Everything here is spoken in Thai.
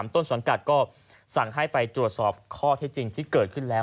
ต้นสังกัดก็สั่งให้ไปตรวจสอบข้อเท็จจริงที่เกิดขึ้นแล้ว